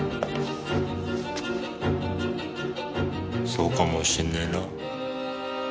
そうかもしんねえな。